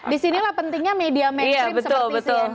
di sinilah pentingnya media mainstream seperti ini